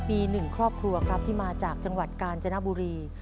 มีหนึ่งครอบครัวครับที่มาจากจังหวัดกาญจนบุรี